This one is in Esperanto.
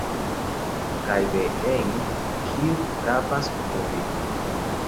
Kaj de-en: ""Kiu frapas fore?".